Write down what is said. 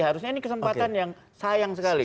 harusnya ini kesempatan yang sayang sekali